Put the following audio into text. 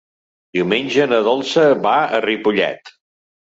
Diumenge na Dolça va a Ripollet.